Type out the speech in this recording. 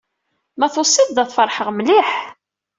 Ma tusiḍ-d, ad feṛḥeɣ mliḥ.